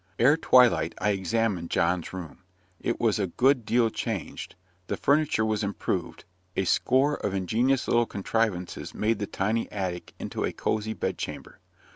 Ere twilight I examined John's room. It was a good deal changed; the furniture was improved; a score of ingenious little contrivances made the tiny attic into a cosy bed chamber.